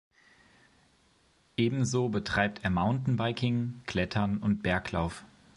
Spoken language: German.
Ebenso betreibt er Mountainbiking, Klettern und Berglauf.